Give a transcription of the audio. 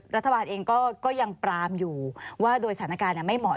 รัฐบาลเองก็ยังปรามอยู่ว่าโดยสถานการณ์ไม่เหมาะ